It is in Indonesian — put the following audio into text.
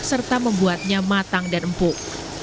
serta membuatnya matang dan empuk